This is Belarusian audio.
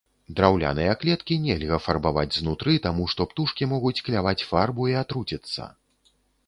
Драўляныя клеткі нельга фарбаваць знутры, таму што птушкі могуць кляваць фарбу і атруціцца.